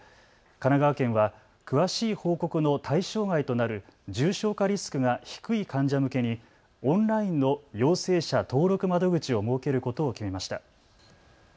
神奈川県は詳しい報告の対象外となる重症化リスクが低い患者向けにオンラインの陽性者登録窓口を設けることを決めました。